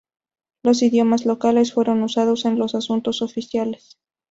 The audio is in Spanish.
Los idiomas locales fueron usados en los asuntos oficiales.